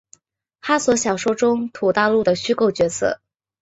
哈索小说中土大陆的虚构角色。